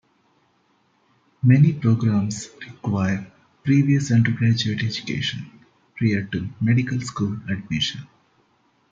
Many programs require previous undergraduate education prior to medical school admission.